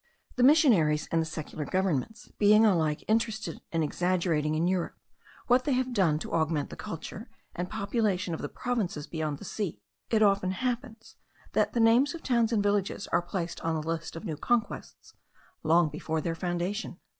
The missionaries and the secular governments being alike interested in exaggerating in Europe what they have done to augment the culture and population of the provinces beyond the sea, it often happens that names of towns and villages are placed on the list of new conquests, long before their foundation.